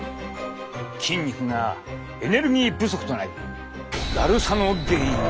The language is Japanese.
筋肉がエネルギー不足となりだるさの原因に！